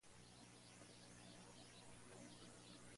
Asimismo fue Presidente del Congreso.